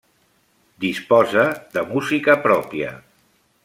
Disposa de música pròpia.